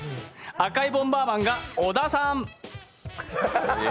赤いボンバーマンが小田さん。